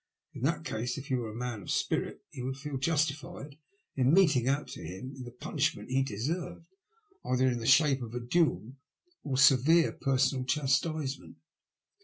— in that case, if you were a man of spirit you would feel justified in meting out to him the punishment he deserved, either in the shape of a duel, or severe personal chastisement.